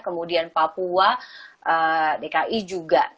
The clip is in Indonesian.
kemudian papua dki juga